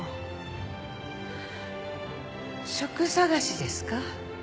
職探しですか？